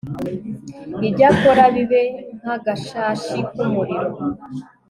ibyo akora bibe nk'agashashi k'umuriro